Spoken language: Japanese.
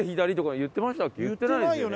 言ってないよね。